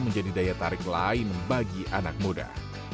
menjadi daya tarik lain bagi anak muda